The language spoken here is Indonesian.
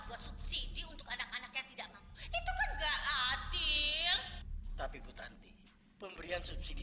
untuk anak anak yang tidak mau itu kan nggak adil tapi butanti pemberian subsidi